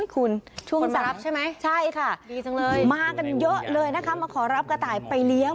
คุณช่วงทรัพย์รับใช่ไหมใช่ค่ะดีจังเลยมากันเยอะเลยนะคะมาขอรับกระต่ายไปเลี้ยง